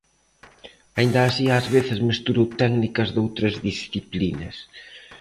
Aínda así ás veces mesturo técnicas doutras disciplinas.